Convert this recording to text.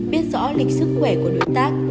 biết rõ lịch sức khỏe của đối tác